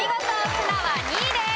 ツナは２位です。